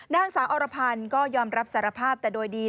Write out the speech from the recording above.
นางสาวอรพันธ์ก็ยอมรับสารภาพแต่โดยดี